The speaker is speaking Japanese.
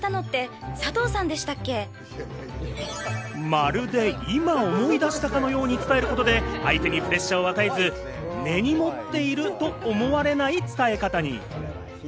まるで今思い出したかのように伝えることで相手にプレッシャーを与えず、根に持っていると思われない伝え方に。